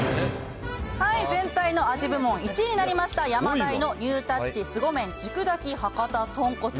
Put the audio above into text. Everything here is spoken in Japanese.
全体の味部門１位になりました、ヤマダイのニュータッチ凄麺熟炊き博多とんこつ。